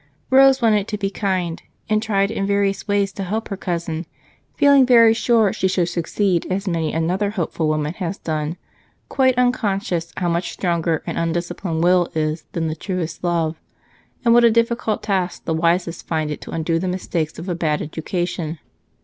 Rose wanted to be kind, and tried in various ways to help her cousin, feeling very sure she should succeed as many another hopeful woman has done, quite unconscious how much stronger an undisciplined will is than the truest love, and what a difficult task the wisest find it to undo the mistakes of a bad education.